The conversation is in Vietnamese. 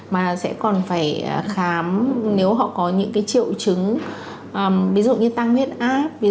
mà sẽ còn phải khám nếu họ có những triệu chứng ví dụ như tăng huyết áp